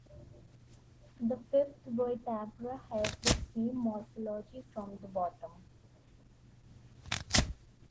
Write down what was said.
The fifth vertebra has the same morphology from the bottom.